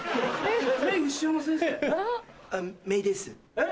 えっ？